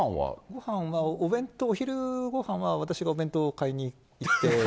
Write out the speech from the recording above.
ご飯はお弁当、お昼ご飯は私がお弁当を買いに行って。